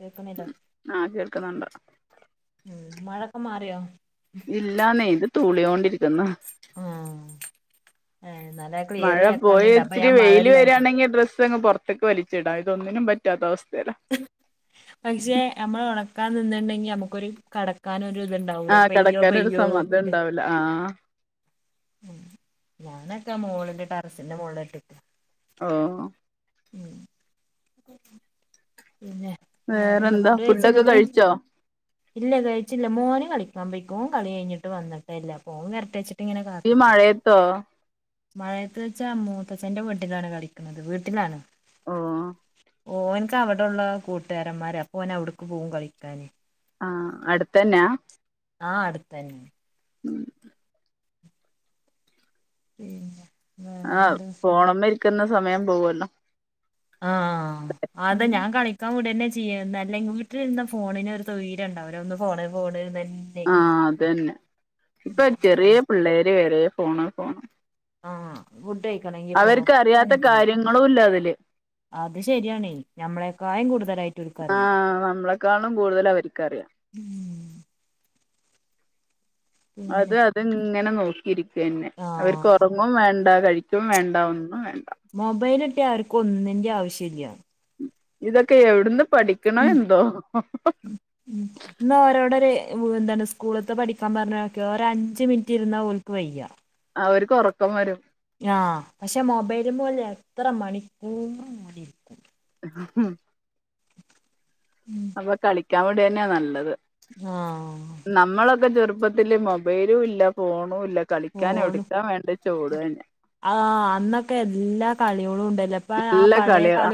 കേൾക്കുന്നില്ല ആ കേൾക്കുന്നുണ്ട്. ഉം മഴയൊക്കെ മാറിയോ. ഇല്ലെന്നേ ഇത് തുളിക്കൊണ്ടിരിക്കുന്ന്. [unintelligible] മഴ പോയി കേൾക്കാനുണ്ട് അപ്പൊ ഇച്ചിരി ഞാൻ വെയിൽ മഴയില്ലായിട്ട് വരുകയാണെങ്കിൽ ഡ്രസ്സ് അങ്ങ് പുറത്ത് [unintelligible] [unintelligible] ഉണ്ടാവുല പെയ്യോ പെയ്യോ. ആ ഉഉം ഞാനൊക്കെ മോളിന്റെ ടെറസ്സിൻ്റെ മുകളിലായിട്ടെ. ഓ പിനെ വേറെന്താ ഫുഡോക്കെ കഴിച്ചോ. [unintelligible] ഈ മഴയത്തോ [unintelligible] മഴയത്ത് വെച്ചാ മൂത്തച്ഛ്ന്റെ വീട്ടിലാണ് കളിക്കുന്നത് വീട്ടിലാണ്. ഓഹ് [unintelligible] ആഹ് അടുത്ത് തന്നെയാ. ആ അടുത്ത് തന്നെയാ. [unintelligible] [unintelligible] ആഹ് വേറെന്താ ഫോണമ്മേ ഇരിക്കുന്ന സമയം പോവല്ലോ ആ ആന്തയ് ഞാൻ കാണി ക്കാൻ വിടല്ലെ ചെയ്യ വീട്ടിലിരുന്ന ഫോണിന് ഒര് സ്വൈര്യം ണ്ടാവൂല ഒന്ന് ഫോണ് ഫോണ് ആ അതന്നെ ഇപ്പൊ ചെറിയ പിള്ളേര് വരെ ഫോണ് ഫോണ് ആഹ് ഫുഡ്കഴിക്കണോ അവർക്ക് അറിയാത്ത കാര്യങ്ങളും ഇല്ല അതിൽ അത് ശരിയാണ് ഞമ്മളെക്കായം കൂടുതലായിട്ട് ഇവർക്കറിയാം ആഹ് നമ്മളെക്കാളും കൂടുതൽ അവർക്കറിയാം ഉം. അത് പിന്നെ അത്ങ്ങനെ നോക്കിയിരിക്കന്നെ അവർക്ക് ആഹ് ഒറങ്ങും വേണ്ട കഴ്. ക്കും വേണ്ട ഒന്നും വേണ്ട. മൊബൈലൊട്ട്യാ അവർക്ക് ഒന്നിന്റെ ആ വ്ശ്യല്യാ. ഇതൊക്കെ എവിട്ന്ന് പഠിക്ക്ണ് എന്തോ. ഉം. ഇന്ന് ഓരോടൊര് വ് എന്താണ് സ്കൂള്ത്തെ പഠിക്കാൻ പറഞ്ഞോക് ഒര് അഞ്ച് മിൻറ്റ് ഇര്ന്നാ ഓല്ക്ക് വയ്യാ. അവർക്ക് ഒറക്കം വരും. ഞാ പക്ഷെ മൊബൈൽ പോലെ എത്ര മണിക്കൂ. ഹും ഉം. അപ്പ കളിക്കാൻ വിടെന്നെ നല്ലത്. ആഹ്. നമ്മളൊക്കെ ചെറുപ്പത്തില് മൊബൈലും ഇല്ല ഫോണു ഇല്ല. കളിക്കാൻ ഫോണ് എഉട്ക്കാ വേണ്ടിചോടെന്നെ. ആഹ് അന്നൊക്കെ എല്ലാ കളിയെളും ഉണ്ടെല്ല. നല്ല കളിയ അ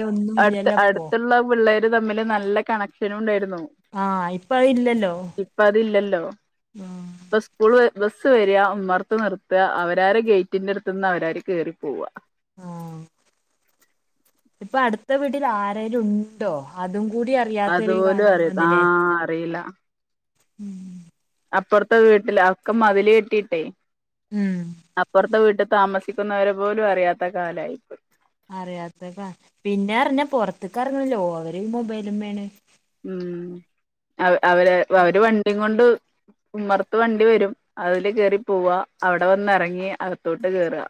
അട്ത്ത ഇപ്പോ അടുത്തുള്ള പിള്ളേര് തമ്മില് നല്ല കണക്ഷനും ഉണ്ടായിരുന്നു. ആഹ് ഇപ്പഹ് ല്ലല്ലോ അതില്ലല്ലോ ആ. ഇപ്പ സ്കൂൾ ബബസ്സ് വരാ ഉമ്മർത്ത് നിർത്ത അവരാര് ഗേറ്റിന്റെ അടുത്ത്ന്ന് അവരാര് കേറി പോവാ. ആഹ് ഇപ്പ അടുത്ത വീട്ടിൽ ആരേലും ഉണ്ടോ അതും കൂടി അ റിയാത്തരു അതുപോലും കാലം അറിയ ആ വന്ന്ലേ. അറിയില്ല അപ്പൊർത്തെ വീട്ടിൽ അഒക്കെ മതിൽ കെട്ടിട്ടേ ഉം അപ്പൊർത്തെ വീട്ടി താമസി. ക്കുന്നവരെ പോലും അറിയാത്ത കാലായിപ്പോ. അറിയാത്തതാ പിന്നെ അർഞ്ഞ പൊർത്ത്ക്ക് എർങ്ങ്ല്ലോ ഓര് ഈ മൊബൈൽമ്മേണ്. ഉം അവര് അവര് വണ്ടി കൊണ്ട്. ഉമ്മർത്ത് വണ്ടി വരും അതില് കേറി പോവാ അവിടെ വന്നിറങ്ങി അകത്തോട്ട് കേറാ.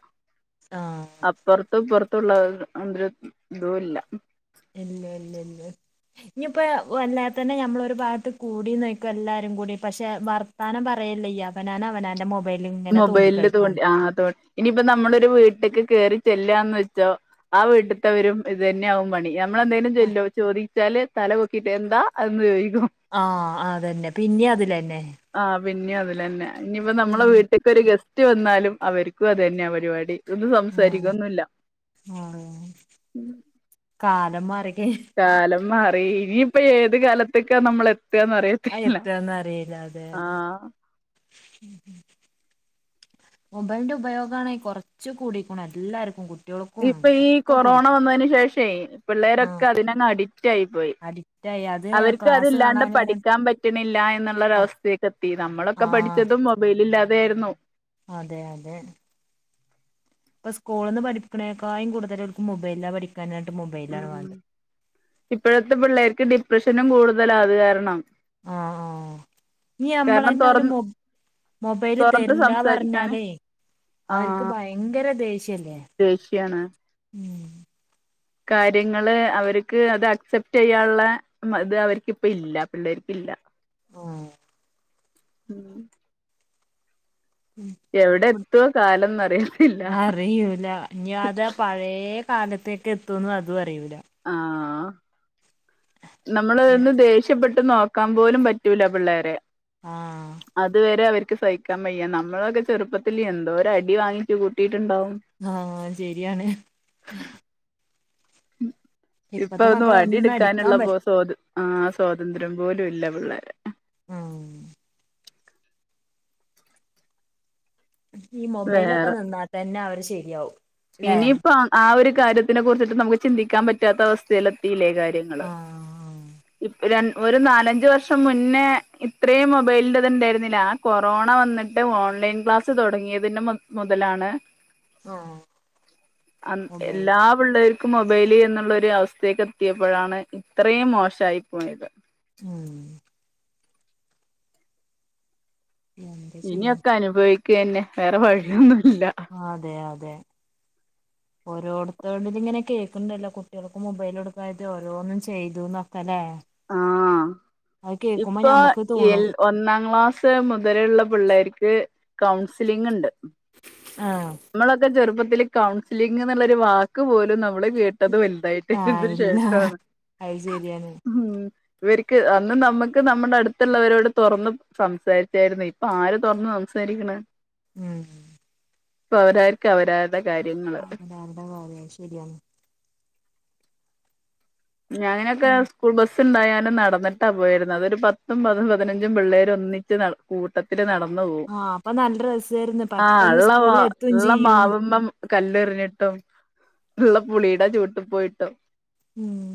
ആഹ് അപ്പൊർറത്തു ഇപ്പൊർത്തുള്ള ഹ്ഹ്മ് തും ല്ല. ഇല്ല ഇല്ല ഇല്ല. ഇഞ്ഞ്പ്പോ വല്ലാതെ തന്നെ ഞമ്മളൊരു ഭാഗത്ത് കൂടി നോയ്ക്ക എല്ലാരും കൂടി പക്ഷെ വർ. ത്താനം പറയല്ല യ്യ അവനാൻ അവനാന്റെ. മൊബൈലിൽ ഇങ്ങനെ മൊബൈൽല് തോണ്ടിക്കളിക്കും തോണ്ടി ആ തോ ഇനിയിപ്പ നമ്മളൊരു വീട്ട്ക്ക് കേറി ചെല്ലാന്ന് വെച്ചോ ആ വീട്ട്ത്തവരും ഇത് തന്നെയാകും പണി. നമ്മളെന്തേലും ചെല്ലോ ചോദിച്ചാല് തല പൊക്കിയിട്ട് എന്താ എന്ന് ചോയ്ക്കും. ആഹ് അതന്നെ പിന്നി അതിലന്നെ. ആഹ് പിന്നിം അതിലെന്നെ ഇനിയിപ്പ നമ്മളെ ഉം വീ ട്ട് ക്കൊര് ഗസ്റ്റ് വന്നാലും അവർക്കും അതന്നെയാ പരിപാടി. ആഹ് ഒന്നുംസംസാരിക്കൊന്നുല്ല. ആഹ് കാലം മാറികെ. കാലം മാറി ഇനിയിപ്പ ഏത് കാലത്ത്ക്കാ നമ്മൾ എത്താന്നറിയ. അഹ് എത്താന്നറിയില്ല അതെയതെ മൊബൈൽന്റെ ഉപയോഗാണെ കൊറച് കൂടിക്ക്ണു എല്ലാർക്കും കു ഇപ്പൊ ഈ കൊറോണ വന്നയ്ന് ശേഷേ ആഹ് പിള്ളേരൊക്കെ അതിനങ്ങ് അഡിക്റ്റ് ആയി പോയി. അഡിക്റ്റ് ആയി അത് അവർക്ക് ക്ലാസ് അതില്ലാണ്ട് കാണാന് പറഞ്ഞിട്ട് പഠിക്കാൻ പറ്റണില്ല പ എന്നുള്ളരവസ്ഥേക്കെത്തി നമ്മളൊക്കെ ആഹ് പഠിച്ചതും മൊ ബൈലില്ലാതെയായിരുന്നു. അതെ അതെ. പ്പൊ സ്കൂള്ന്ന് പഠിപ്പിക്ക്ണേക്കായും കൂടുതൽ ഓൽക്ക് മൊബൈൽലാ പഠിക്കാനായിട്ട് മൊബൈലാണ് വേണ്ടത്. ഇപ്പഴത്തെ പിള്ളേർക്ക് ഡിപ്രഷനും കൂടുതലാ അത് കാരണം. ആഹ് ആഹ്. ഇനി കാരണം അമ്പളെന്നെ ഒരു തൊറന്ന് മൊ മൊബൈല് തൊറന്ന് തര്ല്ല സംസാരിക്കാന് പർഞ്ഞാലേ. അവർക്ക് ആഹ് ഭയങ്കര ദേഷ്യല്ലേ ദേഷ്യാണ് ഉം. കാര്യങ്ങള് അവരിക്ക് അത് അക്സെപ്റ്റ് യ്യാൻള്ള മത് അവര്ക്കിപ്പ ഇല്ല പിള്ളേർക്കില്ല ഉം എവിടെ എത്തുവോ കാലംന്നറിയത്തില്ല ഞ അറിയൂല ഞ്ഞി അതെ പയേ കാലത്തേക്ക് എത്തുംന്ന് അതും അറിയൂല ആഹ് നമ്മള്ന്ന് ദേഷ് ഷ്യപ്പെട്ട് നോക്കാൻ പോലും പറ്റൂല്ല പിള്ളേരെ ആഹ് അതുവരെ അവർക്ക് സഹിക്കാൻ വയ്യ നമ്മളൊക്കെ ചെറുപ്പത്തിൽ എന്തോര അടി വാങ്ങിച്ചു കൂട്ടിയിട്ടുണ്ടാവും ആഹ് ശരിയാണ് ഉം [unintelligible] ഇപ്പൊ ഇപ്പത്തെ ഒന്ന് മക്കളെ വടി ഒന്നും അടിക്കാൻ എടുക്കാനുള്ള പോ പറ്റ സോത് ആഹ് സ്വാതന്ത്ര്യം പോലും ഇല്ല പിള്ളേരെ ഉം ഈ മൊബൈലൊക്കെ വേറെ നിന്നാ തന്നെ അവര് ശരിയാവും ല്ലേ ഇനിയിപ്പോ അഹ് ആ ഒരു കാര്യത്തിനെ കുറിച്ചിട്ട് നമുക്ക് ചിന്തിക്കാൻ പറ്റാത്ത അവസ്ഥയിൽ എത്തില്ലേ കാര്യങ് ങ്ങള് ഉം ഇപ് രൺ ഒരു നാലഞ്ച് വർഷം മുന്നേ ഇത്രയും മൊബൈലിന്റത്ണ്ടായിരുന്നിലാ കൊറോണ വന്നിട്ട് ഓൺലൈൻ ക്ലാസ്സ് തുടങ്ങിയതിന്റെ മു മുതലാണ് ആഹ് അന്ന് മൊബൈൽ എല്ലാ പിള്ളേർക്ക് മൊബൈല് എന്നുള്ള ഒരു അവസ്ഥയേക്ക് എത്തിയപ്പോഴാണ് ഇത്രേം മോശായി പോയത് ഉം എന്ത് ചെയ്യും ഇനിയൊക്കെ അനുഭവിക്കന്നെ വേറെ വഴിയൊന്നുല്ല അതെ അതെ [inaudible] ഓരോട്തേത് ജ് ങ്ങനെ കേക്ണ്ടല്ലോ കുട്ട്യേൾക്ക് മൊബൈലോടുക്കായിട്ട് ഓരോന്നും ചെയ്തുന്നൊക്കല്ലേ ആഹ് ഇപ്പൊ ഞമ്മക്ക് എൽ തോണും ഒന്നാം ക്ലാസ് സ് മുതലുള്ള പിള്ളേർക്ക് കൗൺസിലിംഗ്ണ്ട് ആഹ് മ്മളൊക്കെ ചെറുപ്പത്തിൽ കൗൺസിലിംഗ് എന്നുള്ളരു വാക്ക് പോലും നമ്മള് കേ ട്ടതും വൽതായിട്ട് ആഹ് ഇതിനു ഇല്ല ശേഷാണ് അത് ശരിയാണ് ഉം ഇവര്ക്ക് അന്ന് നമ്മുക്ക് നമ്മുടെ അടുത്തുള്ളവരോട് തൊറന്ന് സംസാരിച്ചായിരുന്നു ഇപ്പൊ ആര് തൊറന്നു സംസാരിക്കണ് ഉം പ്പൊ അവരായിരിക്കും അവരാ ടെ കാര്യങ്ങ അവനാന്റെ കാര്യ ശരിയാണ് ഞ അങ്ങനൊക്കെ ഉം സ്കൂൾ ബസ് ണ്ടായാലും നടന്നിട്ടാ പോയിരുന്ന അതരു പത്തും പതും പതിനഞ്ചും പിള്ളേർ ഒന്നിച്ച് നട കൂട്ടത്തില് നടന്നൊവും ആഹ് അപ്പൊ നല്ല രസായിരുന്നു ആ പെട്ടെന്ന് ഇള്ള മാ സ്കൂളിൽ എത്തും ചെയ്യും ഇള്ളമാവ്മ്മം കല്ലെറിഞ്ഞിട്ടും ഉള്ളപുളീടെ ചൂട്ട്പോയിട്ടും ഉം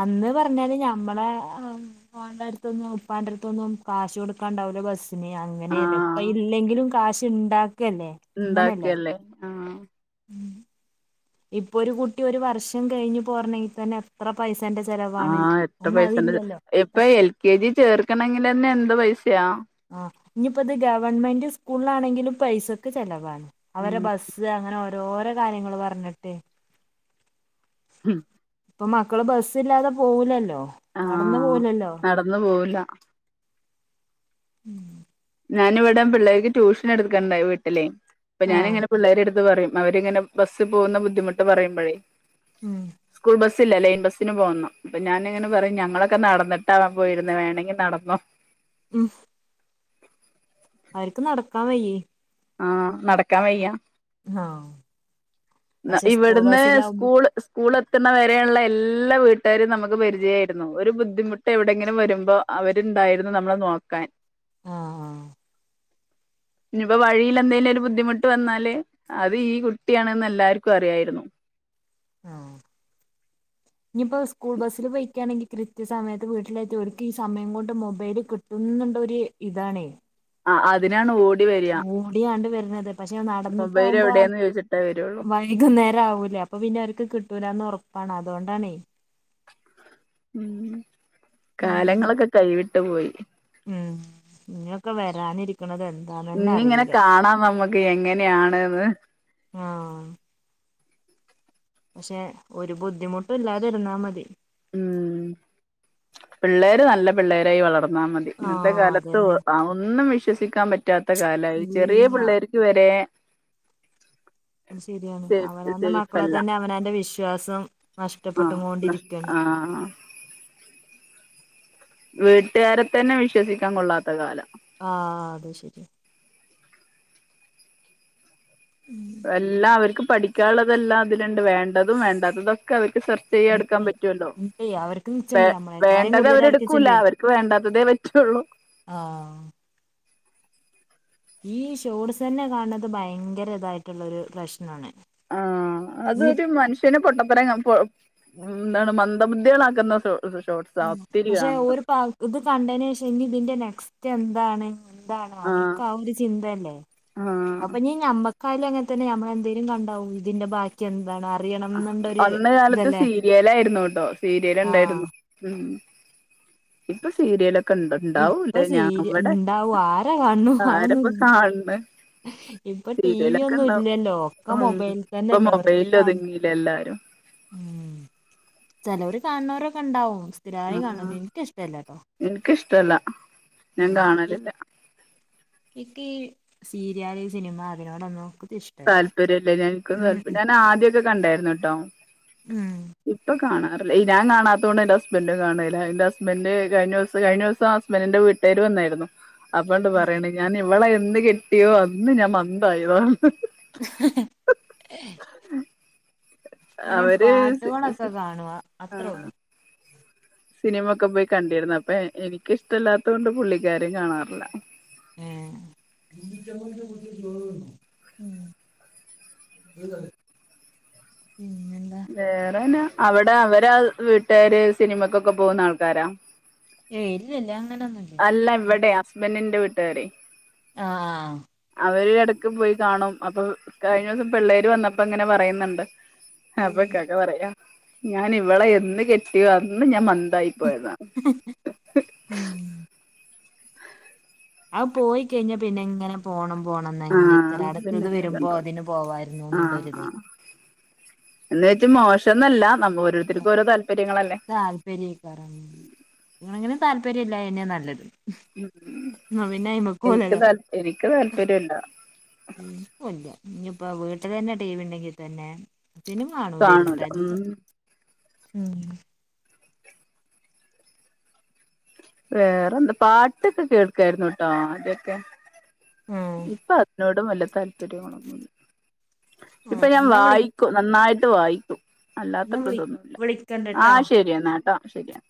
അന്ന്പറഞ്ഞാല് ഞമ്മളെ അം പോണ്ടെടുത്തൊന്നും ഉപ്പാന്റെട്ത്തൊന്നും കാശ് കൊടുക്കാണ്ടാവുല ബസ് ഇനി അങ്ങനെയന്നെ ആഹ് ഇപ്പ ഇല്ലെങ്കിലും കാശ്ണ്ടാക്കല്ലേ ഇണ്ടാക്കെല്ലേ ഉം ഇപ്പൊ ഒരുകുട്ടി ഒരുവർഷം കഴിഞ്ഞ് പോരണെങ്കിതന്നെ എത്ര പൈസേന്റെ ചെലവാണ് ആഹ് എത്ര പൈസ ഉണ്ട് അന്നതില്ലല്ലോ ഇപ്പൊ എൽ കെ ജി ചേർക്കണെങ്കിലെന്നെ എന്ത് പൈസയാ ആ ഇഞ്ഞിയിപ്പത് ഗവൺമെന്റ്സ്കൂളാണെങ്കിലും പൈസക് ചെലവാണ്. അവരെ ബസ് ത് അങ്ങനെ ഓരോരോ കാര്യങ്ങള്പറഞ്ഞിട്ട് ഉം ഇപ്പൊ മക്കള് ബസ്സില്ലാതെ പോവുലല്ലോ നടന്ന്പോവുലല്ലോ നടന്ന് പോവുല്ല ഉം ഞാന് ഇവിടം പിള്ളേര്ക്ക് ട്യൂഷൻഎട്ക്ണ്ടെ വീട്ടിലേ പ്പൊ ആഹ് ഞാനിങ്ങനെ പിള്ളേരെട്ത്ത് പറിം അവരിങ്ങനെ ബസ്സ്പോവുന്ന ബുദ്ധിമുട്ട്പറയുമ്പഴേ ഉം സ്കൂൾ ബസ്സില്ല ലൈൻബസ്സിന് പോന്നം ഇപ്പ ഞാനിങ്ങനെ പറയും ഞങ്ങളൊക്കെ നടന്നിട്ടാ പോയിര്ന്നേ വേണങ്കിനടന്നോ ഉം അവര്ക്ക് നടക്കാവയ്യേ ആഹ് നടക്കാവയ്യ ആഹ് ന്ന പക്ഷെ സ്കൂൾ ഇവട്ന്ന് ബസ്സിലാവുമ്പോ സ്കൂള് സ് സ്കൂൾ എത്തുന്നവരേള്ള എല്ല വീട്ടെരിം നമക്ക്പരിജയേര്ന്നു ഒരു ബുദ്ധിമുട്ട് എവിടെങ്കിലും വരുമ്പോ അവര്ണ്ടായിരുന്നു നമ്മളെനോക്കാൻ ആഹ് ആഹ് പ്പൊ വഴിലെന്തേലൊരു ബുദ്ധിമുട്ട് വന്നാല് അത് ഈ കുട്ടിയാണന്ന് എല്ലാർക്കും അറിയായിര്ന്നു ആഹ് ഇഞ്ഞിപ്പോ സ്കൂൾബസ്സില് പൊയ്ക്കാണെങ്കി കൃത്യസമയത്ത് വീട്ടിലെത്തി ഓര്ക്ക് ഈ സമയംകൊണ്ട് മൊബൈൽ കിട്ട് ട്ടുന്നുള്ളൊര് ഇതാണേ ആഹ് അതിനാണ് ഓട് ഓടിയണ്ട് വര്ന്നത് പഷെ മൊബൈൽ നടന്നിട്ടാവുമ്പോ വഴി എവിടെയെന്ന് ചോദിച്ചിട്ടേ വരുള്ളൂ വൈകുന്നേരാവൂലേ അപ്പൊപിന്നെ ഓര്ക്ക് കിട്ടുലാന്ന്ഒറപ്പാണ് അതോണ്ടാണേ ഉം ഉം കാലങ്ങളൊക്കെ കൈവിട്ട്പോയി ഉം ഇഞ്ഞൊക്കെ വരാനിരിക്ണതെ ഇഞ്ഞിങ്ങനെ കാണാ നമ്മക്ക് എങ്ങനെയാണ്ന്ന് ആഹ് പഷെ ഒരു ബുദ്ധിമുട്ടുല്ലാതിരുന്നാമതി ഉം പിള്ളേര് നല്ല പിള്ളേരായിവളർന്നാമതി. ഇന്നത്തെ ആഹ് കാലത്ത് ഒ അതന്നെ ആ ഒന്നുംവിശ്വസിക്കാൻ പറ്റാത്തകാലയി ഇല്ല ചെറിയെപിള്ളേർക്ക് വരെ അഹും ശരിയാണ് സേഫ് അവനാന്റെ സേഫ് അല്ല മക്കളെതന്നെ അവനാന്റെ വിശ്വാസം ആഹ് നഷ്ടപ്പെട്ടുകോണ്ടിരിക്കാണ് ആഹ് വീട്ടാരെതന്നെ വിശ്വസിക്കാൻ കൊള്ളാത്തകാല ആഹ് അത് ശരിയ വെല്ലാ അവർക്ക് പഠിക്കാള്ളതെല്ലാം അതില്ണ്ട്. വേണ്ടതും വേണ്ടാത്തതൊക്കെ അവർക്ക് സർ ചെയ്യട്ക്കാ ഇണ്ടേ പറ്റുല്ലോ ഇണ്ടേ അവർക്ക് വെ നിച്ചണ്ടേ നമ്മളെക്കായും കൂടുതൽ അവർക്ക് വേണ്ടത്അവരെടുക്കൂല നിച്ചണ്ടേ അവർക്ക് വേണ്ടാത്തതേ പറ്റുള്ളൂ ആഹ് ഈ ഷോട്സന്നെ കാണ്ണത് ഭയങ്കരതായിട്ടുള്ളൊരു പ്രശ്നാണ്. ആഹ് അതൊരു മനുഷ്യ [unintelligible] പൊട്ടതരം കൺ പൊ ന്താണ് മന്ദബുദികളാക്കുന്ന [unintelligible] മ്മ് പഷെ ഓര് പ ഇത് കണ്ടയിനേഷം ഇനി ഇതിന്റെ നെക്സ്റ്റ് എന്താണ് ന്താണ് ആ അവർക്ക്‌ ആഹ് ഒരു ചിന്തല്ലേ ആ അപ്പൊ ഇനിഞ്ഞമ്മ കായാലും അങ്ങൻ തന്നെ ഞമ്മളെന്തേലും കണ്ടാവു ഇതിന്റെ ബാക്കി എന്താണ് അ അഹ് അന്ന് കാലത്ത് സീരിയല് ആയിരുന്നു ട്ടോ സീരിയല് ആഹ് ഉണ്ടായിരുന്നു മ്മ് ഇപ്പ സീരിയലൊ കെണ്ട് ഇപ്പൊ ഇണ്ടാവുല്ലെ സീരി ഞാൻവടെ ഉണ്ടാവും ആരാ കാണു ആരപ്പോ അതൊന്നുമില്ല കാൺണ് ഇപ്പൊ ടി വി സീരിയലൊക്കെ ഒന്നും ഇണ്ടാവും ഇല്ലല്ലോ ഒക്കെ മ്മ് മൊബൈലിൽ ഇപ്പൊ തന്നെല്ലേ മൊബൈല്ല് ഒതുങ്ങീലെ എല്ലാരും മ്മ് ചെലോര് കാണുന്നോരൊക്കെ ഇണ്ടാവും ആഹ് എനിക്ക് ഇഷ്ടല്ല ഞാൻ ഉം ഈ കാണലില്ല ഇക്ക് ഈ സീരിയാല്, സിനിമ അതിനോടോന്നും [unintelligible] താല്പര്യല്ല എനിക്കും താല്പര്യം ഞാൻ ആദ്യക്കെ കണ്ടായിരുന്നുട്ടോ ഉം ഇപ്പ കാണാ ഞാം കാണാത്തത് കൊണ്ട് എന്റെ ഹസ്ബന്റും കാണ്ല്ല എൻ്റെ ഹസ്ബന്റ് കഴിഞ്ഞോസം കഴിഞ്ഞോസം ഹസ്ബന്റിന്റെ വീട്ടാര് വന്നായിരുന്നു അപ്പണ്ട് പറിണ് ഞാൻ ഇവളെ എന്ന് കെട്ടിയോ അന്ന് ഞാൻ മന്തായി പർഞ് [inaudible] ഇങ്ങനെ അവര് പാട്ടുകളൊക്കെ കാണും ആ അത്രേള്ളു സിനിമൊക്കെ പോയി കണ്ടിരുന്നു അപ്പ എനിക്കിഷ്ടല്ലാത്തോണ്ട് പുള്ളിക്കാരു കാണാറില്ല ഏഹ് പിന്നെന്താ വേറെനാ അവിടെ അവരാ വീട്ടാര് സിനിമക്കൊക്കെ പോകുന്ന ആൾക്കാരാ? ഏഹ് ഇല്ലല്ല അങ്ങനെന്നു ല്ല ഇവടെ ഹസ്ബന്റിന്റെ വീട്ടാരെ ആഹ് അവര് എടക്ക് പോയി കാണും അപ്പൊ കഴിഞ്ഞ ദിവസം പിള്ളേര് വന്നപ്പങ്ങനെ പറയ്ന്ന്ണ്ട് അപ്പ ഇക്കാക്ക പറയാ ഞാൻ ഇവളെ എന്ന് കെട്ടിയോ അന്ന് ഞാൻ മന്തായി പോയതാ ഉം അഹ് പോയി കഴിഞ്ഞാ പിന്നെ ഇങ്ങനെ പോണം പോണം ആഹ് തന്നെക്കാരം പിന്നെ അട്ത്തത് അങ്ങനെ വെരുമ്പോ കണ്ടോ അതിന് പോകായിരുന്നു ആഹ് ഇന്ന്ണ്ടൊര് ഇതെ ആഹ് എന്ന് വെച്ച് മോശംന്നോല്ല നമ്മ ഓരോരുത്തർക്കും ഓരോ താല്പര്യങ്ങളല്ലേ താല്പര്യേക്കാരം അങ്ങനെങ്ങനെ താല്പര്യം ഇല്ലായെന്നെ നല്ലത് ഉം എന്നാ പിന്നെ അയ്മക്ക് എനിക്ക് പോവൂലല്ലോ താൽ എനിക്ക് താല്പര്യല്ല ന്നോല്ല്യ ഇഞ്പ്പോ വീട്ട്ലെന്നെ ടി വി ഇണ്ടെങ്കി തന്നെ കാണൂല ഉം [unintelligible] ഉം വേറെ എന്താ പാട്ടൊക്കെ കേൾക്കായിരുന്നുട്ടോ ആദ്യോക്കെ ആഹ് ഇപ്പ അതിനോടും വല്ല താല്പര്യങ്ങോളോന്ന്ല്ല ഇപ്പൊ ആഹ് ഞാൻ എന്നാ വിളി വായി നന്നായിട്ട് വായിക്കും അല്ലാത്ത എന്നാ വിളി കതൊന്നുല്ല വിളിക്കണ്ട്ട്ടോ ആഹ് ശെരിയന്നാട്ടോ ശെരിയാ